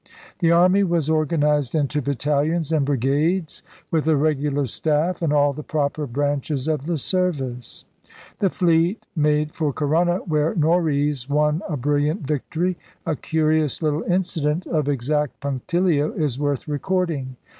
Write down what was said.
The army was organized into battalions and brigades, with a regular staff and all the proper branches of the service. The fleet made for Corunna, where Norreys won a brilliant victory. A curious little incident of exact punctilio is worth recording.